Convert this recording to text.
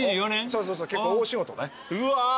そうそうそう結構大仕事ね。